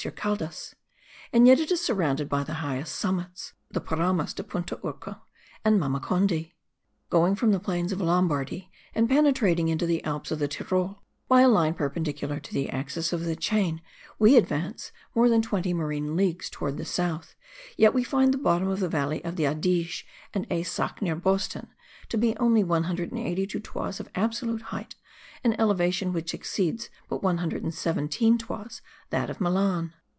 Caldas; and yet it is surrounded by the highest summits, the Paramos de Puntaurcu and Mamacondy. Going from the plains of Lombardy, and penetrating into the Alps of the Tyrol, by a line perpendicular to the axis of the chain, we advance more than 20 marine leagues towards the north, yet we find the bottom of the valley of the Adige and of Eysack near Botzen, to be only 182 toises of absolute height, an elevation which exceeds but 117 toises that of Milan.